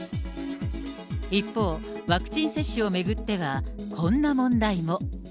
一方、ワクチン接種を巡ってはこんな問題も。